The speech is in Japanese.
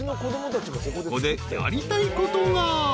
［ここでやりたいことが］